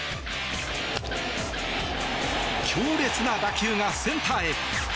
強烈な打球がセンターへ。